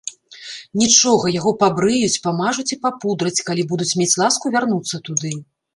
Нічога, яго пабрыюць, памажуць і папудраць, калі будуць мець ласку вярнуцца туды.